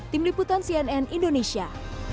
tim liputan cnn indonesia